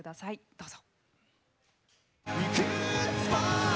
どうぞ。